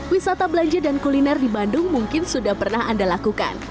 wisata belanja dan kuliner di bandung mungkin sudah pernah anda lakukan